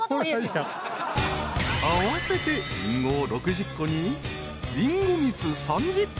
［合わせてリンゴを６０個にりんご蜜３０個